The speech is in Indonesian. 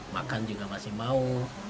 makan juga masih mau